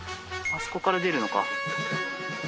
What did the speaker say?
あそこから出るのか。